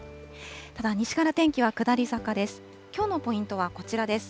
ただ西から天気は下り坂です。